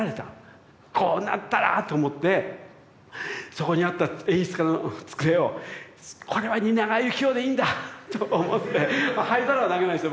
こうなったらと思ってそこにあった演出家の机を「俺は蜷川幸雄でいいんだ！」と思って灰皿は投げないですよ。